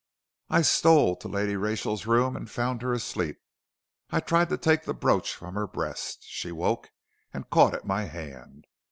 I stole to Lady Rachel's room and found her asleep. I tried to take the brooch from her breast. She woke and caught at my hand.